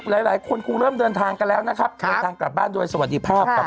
หลายคนคงเริ่มเดินทางกันแล้วนะครับเดินทางกลับบ้านโดยสวัสดีภาพครับ